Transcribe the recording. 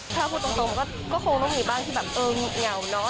ถ้าพูดตรงก็คงต้องมีบ้างที่แบบเออเหงาเนอะ